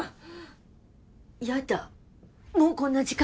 やだもうこんな時間。